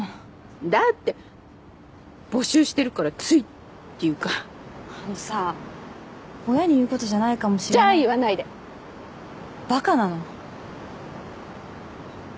だって募集してるからついっていうかあのさ親に言うことじゃないかもじゃあ言わないでバカなの？